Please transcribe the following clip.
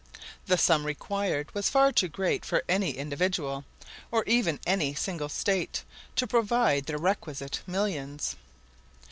The sum required was far too great for any individual, or even any single State, to provide the requisite millions.